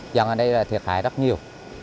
dân ở đây thiệt hại rất nhiều